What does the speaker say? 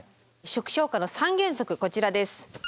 初期消火の３原則こちらです。